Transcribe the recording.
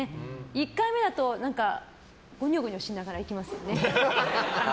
１回目だとごにょごにょしながら行きますよね。